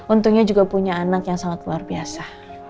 untungnya juga punya anak yang sangat luar biasa